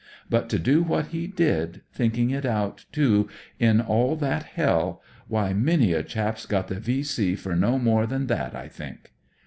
But to do what he did, thinking it out, too, in all that hell — ^whv, many r chap*s got the V.C. for no more than hat, I think."